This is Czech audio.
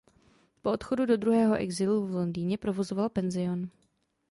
Po odchodu do druhého exilu v Londýně provozoval penzion.